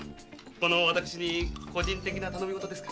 この私に個人的な頼みごとですか？